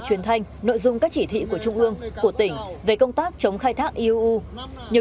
truyền thanh nội dung các chỉ thị của trung ương của tỉnh về công tác chống khai thác eu nhiều